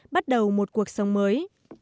bắt đầu một cuộc sống mới